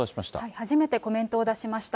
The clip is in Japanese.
初めてコメントを出しました。